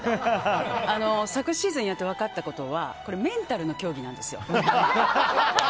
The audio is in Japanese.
昨シーズンやって分かったことはこれ、メンタルの競技なんですよ。